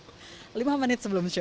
izin itu keluar berapa menit sebelumnya